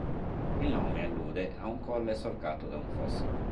Il nome allude ad un colle solcato da un fosso.